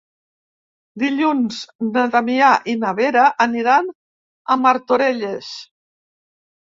Dilluns na Damià i na Vera aniran a Martorelles.